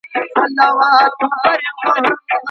شرعیاتو پوهنځۍ بې ارزوني نه تایید کیږي.